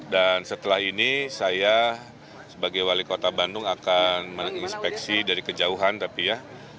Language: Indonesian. dan setelah ini saya sebagai wali kota bandung akan menginspeksi dari kejauhan tapi ya